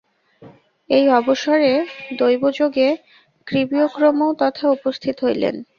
এই অবসরে দৈবযোগে ত্রিবিক্রমও তথায় উপস্থিত হইলেন।